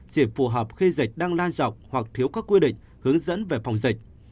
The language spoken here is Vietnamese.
chỉ phù hợp khi dịch đang lan rộng hoặc thiếu các quy định hướng dẫn về phòng dịch